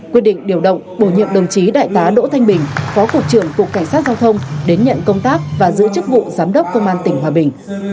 quyết định điều động bổ nhiệm đồng chí đại tá đỗ thanh bình phó cục trưởng cục cảnh sát giao thông đến nhận công tác và giữ chức vụ giám đốc công an tỉnh hòa bình